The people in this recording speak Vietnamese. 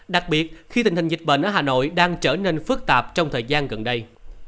đặc biệt khi tình hình dịch bệnh ở hà nội đang trở nên phức tạp trong thời gian gần đây